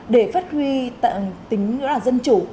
để phát huy tận tính dân chủ